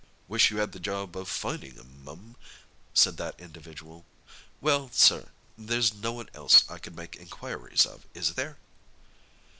"Wish you had the job of findin' him, mum," said that individual. "Well, sir, there's no one else I could make inquiries of, is there?"